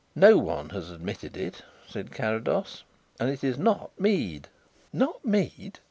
"No one has admitted it," said Carrados. "And it is not Mead." "Not Mead....